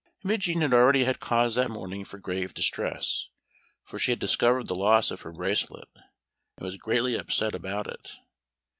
Imogen had already had cause that morning for grave distress, for she had discovered the loss of her bracelet, and was greatly upset about it.